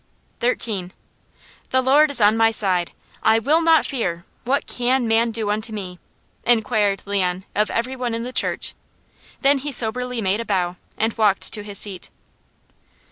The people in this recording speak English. "Thirteen." "The Lord is on my side; I will not fear; what can man do unto me?" inquired Leon of every one in the church. Then he soberly made a bow and walked to his seat.